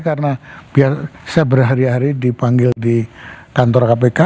karena biar saya berhari hari dipanggil di kantor kpk